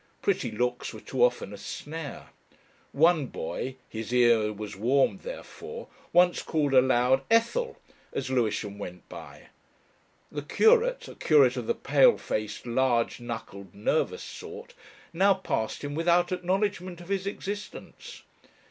Pretty looks were too often a snare. One boy his ear was warmed therefor once called aloud "Ethel," as Lewisham went by. The curate, a curate of the pale faced, large knuckled, nervous sort, now passed him without acknowledgment of his existence.